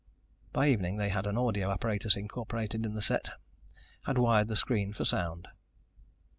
By evening they had an audio apparatus incorporated in the set, had wired the screen for sound.